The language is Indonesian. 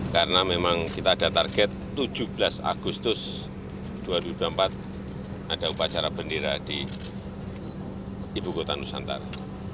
karena memang kita ada target tujuh belas agustus dua ribu dua puluh empat ada upacara bendera di ibu kota nusantara